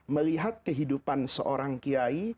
melihat kehidupan seorang kiai